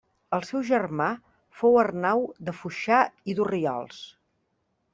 El seu germà fou Arnau de Foixà i d'Orriols.